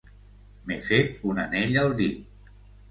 M'he fet un anell al dit.